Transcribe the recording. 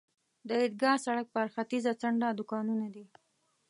د عیدګاه سړک پر ختیځه څنډه دوکانونه دي.